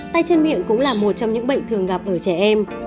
tay chân miệng cũng là một trong những bệnh thường gặp ở trẻ em